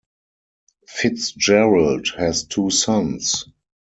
Fitzgerald has two sons.